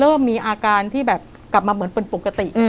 เริ่มมีอาการที่แบบกลับมาเหมือนเป็นปกติ